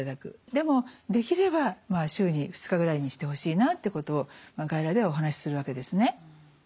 でもできれば週に２日ぐらいにしてほしいなってことを外来ではお話しするわけですね。